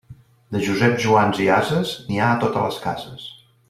De Joseps, Joans i ases, n'hi ha a totes les cases.